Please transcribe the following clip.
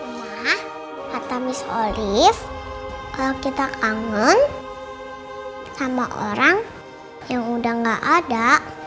mama kata miss olive kalau kita kangen sama orang yang udah nggak ada